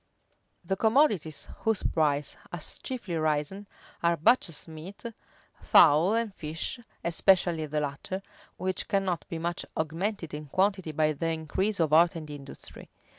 The commodities whose price has chiefly risen, are butcher's meat, fowl, and fish, (especially the latter,) which cannot be much augmented in quantity by the increase of art and industry.